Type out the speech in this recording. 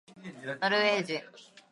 ノルウェー人